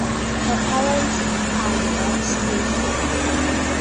Her parents are not stated.